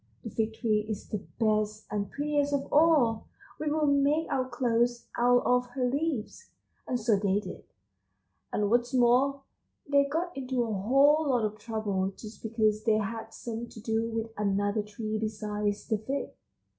The Fig tree is the best and prettiest of all. We will make our clothes out of her leaves. And so they did, and what's more, they got into a whole lot of trouble just because they had something to do with another tree besides the Fig."